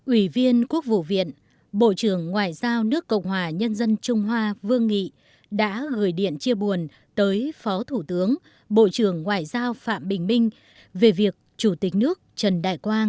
ủy viên quốc vụ viện bộ trưởng ngoại giao nước cộng hòa nhân dân trung hoa vương nghị đã gửi điện chia buồn tới phó thủ tướng bộ trưởng ngoại giao phạm bình minh về việc chủ tịch nước trần đại quang